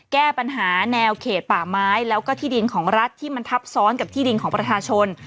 แก้ปัญหาแนวเขตป่าไม้แล้วก็ที่ดินของรัฐที่มันทับซ้อนกับที่ดินของประชาชน